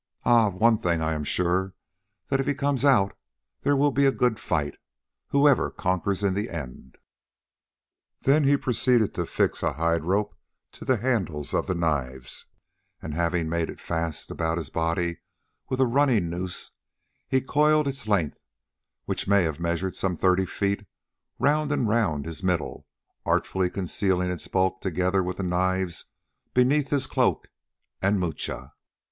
Ah! of one thing I am sure, that if he comes out there will be a good fight, whoever conquers in the end." Then he proceeded to fix a hide rope to the handles of the knives, and having made it fast about his body with a running noose, he coiled its length, which may have measured some thirty feet, round and round his middle, artfully concealing its bulk together with the knives beneath his cloak and moocha.